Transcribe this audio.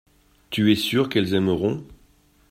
Tu es sûr qu’elles aimeront.